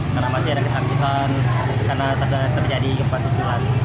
karena masih ada kesakitan karena terjadi gempa susulan